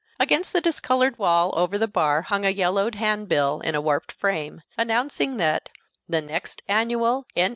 Against the discolored wall over the bar hung a yellowed hand bill, in a warped frame, announcing that "the Next Annual N.